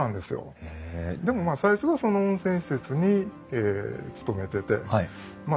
でもまあ最初はその温泉施設に勤めてて。